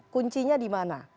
kuncinya di mana